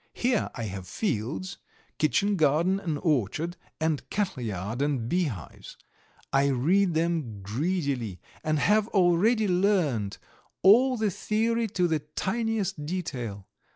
Here I have fields, kitchen garden and orchard, and cattleyard and beehives. I read them greedily, and have already learnt all the theory to the tiniest detail.